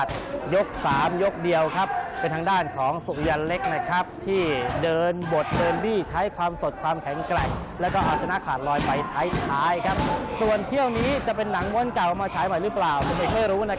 จารย์แก้ทางมวยทั้งผู้เตรียมตัวฟิศซ้อมมาอย่างไร